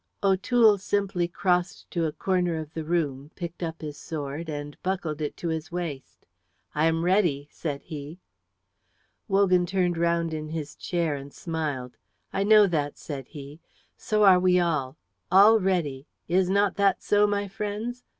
O'Toole simply crossed to a corner of the room, picked up his sword and buckled it to his waist. "I am ready," said he. Wogan turned round in his chair and smiled. "I know that," said he. "So are we all all ready; is not that so, my friends?